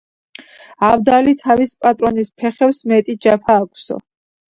აბდალი თავის პატრონის ფეხებს მეტი ჯაფა აქვსო.